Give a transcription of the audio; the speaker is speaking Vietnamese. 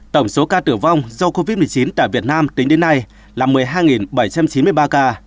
tổng số ca tử vong do covid một mươi chín tại việt nam tính đến nay là một mươi hai bảy trăm chín mươi ba ca